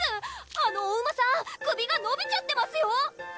あのお馬さん首がのびちゃってますよ